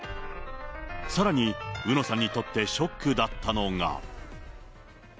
さらにうのさんにとってショックだったのが。